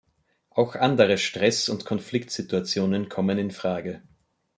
Auch andere Stress- und Konfliktsituationen kommen in Frage.